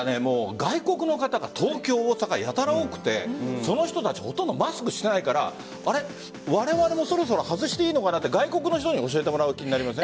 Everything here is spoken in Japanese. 外国の方が東京、大阪やたら多くてその人たちマスクしてないからわれわれもそろそろ外していいのかなと外国の人に教えてもらう気になりません？